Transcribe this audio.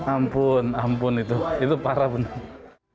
ampun ampun itu itu parah benar